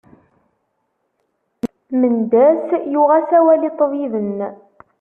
Mendas yuɣ-as awal i ṭṭbib-nn.